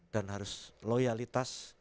dan harus loyalitas